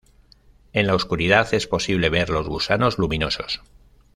En la oscuridad es posible ver los gusanos luminosos.